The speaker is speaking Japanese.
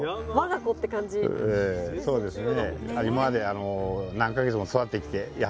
ええそうですね。